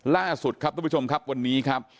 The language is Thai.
ล่าสุดครับทุกผู้ชมครับวันนี้ครับ